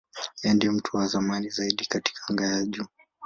Yeye ndiye mtu wa zamani zaidi katika anga za juu.